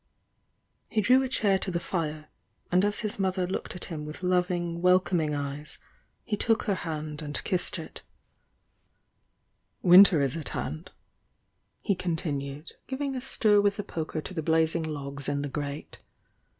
He drew a chair to the fire, and as his mother looked at him with loving, welcoming eyes, he took her hand and kissed it. ,1 168 TH1<: VOUXG DIANA l!ri I "Winter is at hand," he continued, giving a stir with the poker to the blazing logs in the grate.